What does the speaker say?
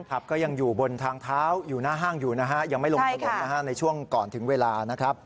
ก็ยังอยู่บนทางเท้าอยู่หน้าห้างอยู่นะฮะยังไม่ลงถนนนะฮะในช่วงก่อนถึงเวลานะครับ